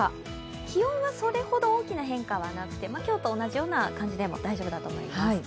気温はそれほど大きな変化はなくて今日と同じような感じでも大丈夫だと思います。